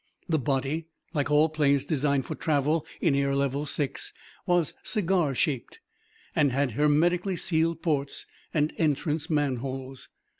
The body, like all planes designed for travel in air level six, was cigar shaped, and had hermetically sealed ports and entrance manholes.